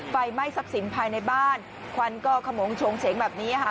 ไฟไหม้ซับสินภายในบ้านควันก็ขมงชงเฉงแบบนี้ค่ะ